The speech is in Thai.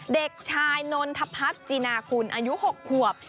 เด็กชายนนทพัฒน์จีนาคุณอายุ๖ขวบ